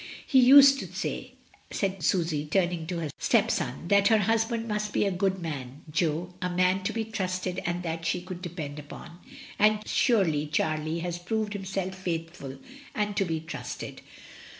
He used to say/' and Susy turned to her stepson, "that her husband Susanna's correspondence. 115 must be a good man, Jo, a man to be trusted and that she could depend upon — and surely Charlie has proved himself faithful and to be trusted."